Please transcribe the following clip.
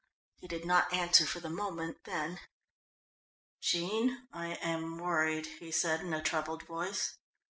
He did not answer for the moment, then: "Jean, I am worried," he said, in a troubled voice.